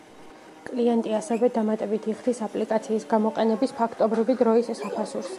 კლიენტი ასევე დამატებით იხდის აპლიკაციის გამოყენების ფაქტობრივი დროის საფასურს.